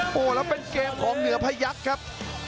โอ้โหแล้วเป็นเกมของเหนือพยักษ์ครับ